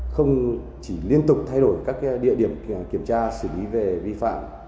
không chỉ liên tục thay đổi các địa điểm kiểm tra xử lý về vi phạm